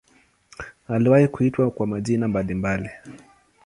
Iliwahi kuitwa kwa majina mbalimbali.